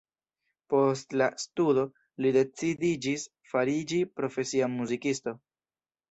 Post la studo li decidiĝis fariĝi profesia muzikisto.